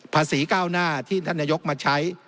ก้าวหน้าที่ท่านนายกมาใช้